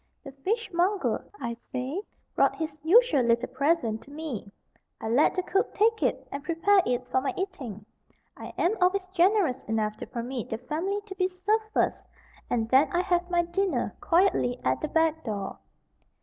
the fishmonger, I say, brought his usual little present to me. I let the cook take it and prepare it for my eating. I am always generous enough to permit the family to be served first and then I have my dinner quietly at the back door.